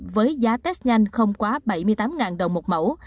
với giá test nhanh không quá bảy mươi tám đồng một mẫu